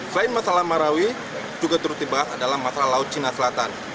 selain masalah marawi juga terus dibahas adalah masalah laut cina selatan